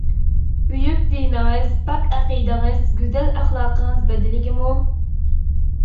بۈيۈك دىنىڭىز، پاك ئەقىدىڭىز، گۈزەل ئەخلاقىڭىز بەدىلىگىمۇ؟ !